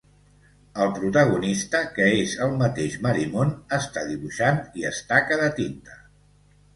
El protagonista, que és el mateix Marimon, està dibuixant i es taca de tinta.